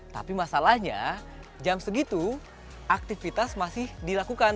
tapi masalahnya jam segitu aktivitas masih dilakukan